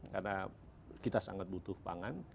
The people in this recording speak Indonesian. karena kita sangat butuh pangan